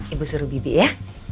ibu suruh bibi ya